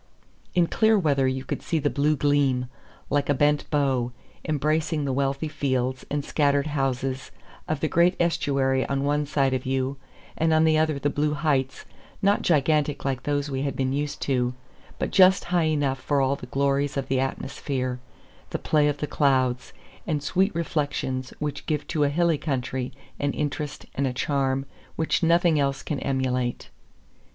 In clear weather you could see the blue gleam like a bent bow, embracing the wealthy fields and scattered houses of the great estuary on one side of you, and on the other the blue heights, not gigantic like those we had been used to, but just high enough for all the glories of the atmosphere, the play of clouds, and sweet reflections, which give to a hilly country an interest and a charm which nothing else can emulate.